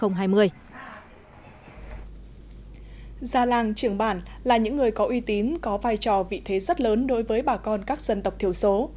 gia làng trường bản là những người có uy tín có vai trò vị thế rất lớn đối với bà con các dân tộc thiểu số